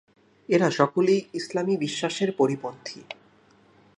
এরা সকলেই ইসলামী বিশ্বাসের পরিপন্থী।